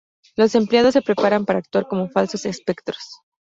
Los empleados se preparan para actuar como falsos espectros.